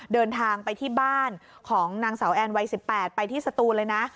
เดินทางไปที่บ้านของนางสาวแอนวัย๑๘ไปที่สตูนเลยนะ